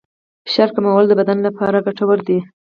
فشار کمول د بدن لپاره ګټور دي.